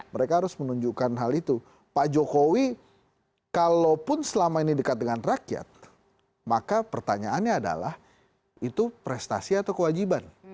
mereka harus menunjukkan hal itu pak jokowi kalaupun selama ini dekat dengan rakyat maka pertanyaannya adalah itu prestasi atau kewajiban